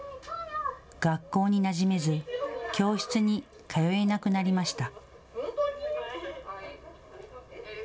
学校になじめず教室に通えなくなりました。